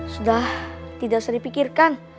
sudah tidak seripikirkan